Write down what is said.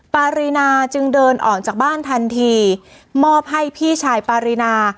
ปารีนาจึงเดินออกจากบ้านทันทีมอบให้พี่ชายปารีนา